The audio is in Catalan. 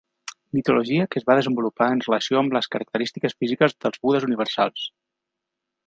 Mitologia que es va desenvolupar en relació amb les característiques físiques dels budes universals.